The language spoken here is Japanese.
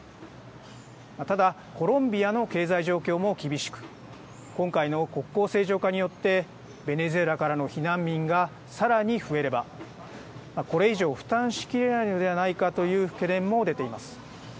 ただ、コロンビアの経済状況も厳しく今回の国交正常化によってベネズエラからの避難民がさらに増えればこれ以上負担しきれないのではないかという懸念も出ています。